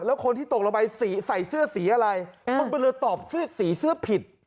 แล้วคนที่ตกลงไปใส่เสื้อสีอะไรพลเรือตอบเสื้อสีเสื้อผิด